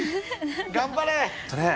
頑張れ。